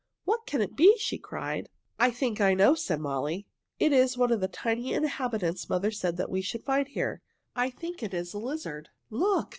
"What can it be?" she cried. "I think I know," said Molly. "It is one of the tiny inhabitants mother said we should find here. I think it is a lizard. Look!